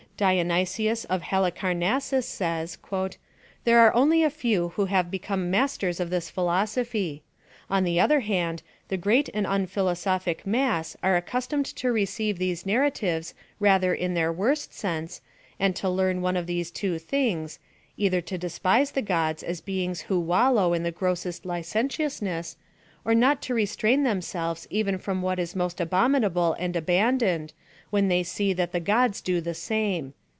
Dionysius of Hallicarnassus says, " there are only a few who have become masters of this philosophy. On the other hand, the great and unphilosophic maiis are accustomed to receive these narratives rather in their worst sense, and to learn one of these two things, either to despise the gods as beings who wallow Lt the grossest licentiousness, or not to re strain themselves even from what is most abomina ble and abandoned, when they see that the gods do the same."